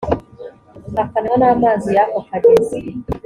akanywa n amazi y ako kagezi